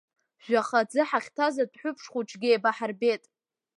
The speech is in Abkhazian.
Жәаха аӡы ҳахьҭаз адәҳәыԥш хәыҷгьы еибаҳарбеит.